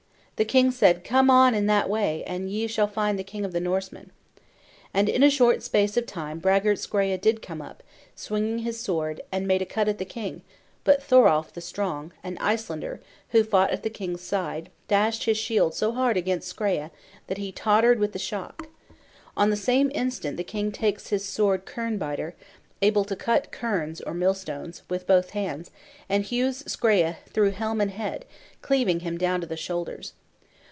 The king said, 'Come on in that way, and you shall find the king of the Norsemen.'" And in a short space of time braggart Skreya did come up, swinging his sword, and made a cut at the king; but Thoralf the Strong, an Icelander, who fought at the king's side, dashed his shield so hard against Skreya, that he tottered with the shock. On the same instant the king takes his sword "quernbiter" (able to cut querns or millstones) with both hands, and hews Skreya through helm and head, cleaving him down to the shoulders.